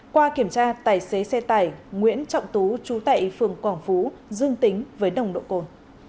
qua kiểm tra tài xế xe tải nguyễn trọng tú chú tại phường quảng phú dương tính với nồng độ cồn